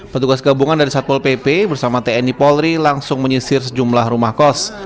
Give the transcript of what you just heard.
petugas gabungan dari satpol pp bersama tni polri langsung menyisir sejumlah rumah kos